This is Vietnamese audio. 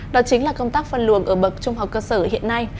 đó chính là công tác phân luồng ở bậc trung học cơ sở hiện nay